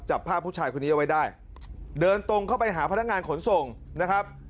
จับภาพผู้ชายคนนี้เอาไว้ได้เดินตรงเข้าไปหาพนักงานขนส่งนะครับ